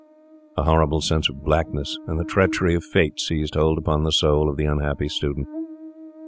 A horrible sense of blackness and the treachery of fate seized hold upon the soul of the unhappy student.